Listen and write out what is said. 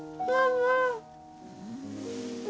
ママ。